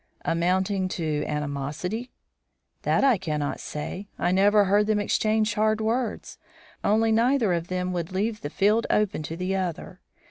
"Amounting to animosity?" "That I cannot say. I never heard them exchange hard words; only neither of them would leave the field open to the other.